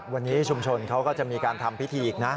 วันนี้ชุมชนเขาก็จะมีการทำพิธีอีกนะ